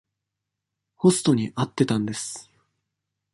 ホストに会ってたんです。